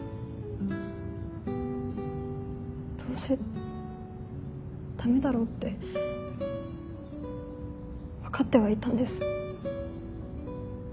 どうせ駄目だろうって分かってはいたんです。